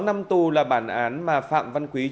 sáu năm tù là bản án mà phạm văn quý